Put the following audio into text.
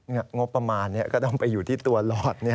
งบประมาณก็ต้องไปอยู่ที่ตัวหลอด